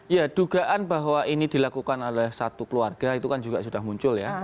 ya dugaan bahwa ini dilakukan oleh satu keluarga itu kan juga sudah muncul ya